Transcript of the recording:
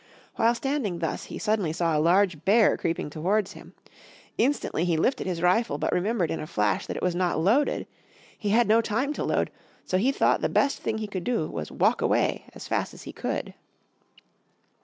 While standing thus he suddenly saw a large bear creeping towards him. Instantly he lifted his rifle, but remembered in a flash that it was not loaded. He had no time to load, so he thought the best thing he could do was to walk away as fast as he could.